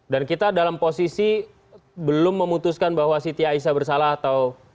dan kita dalam posisi belum memutuskan bahwa siti aisyah bersalah atau